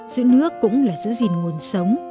giữ nước cũng là giữ gìn nguồn sống